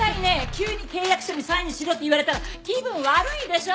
急に契約書にサインしろって言われたら気分悪いでしょ？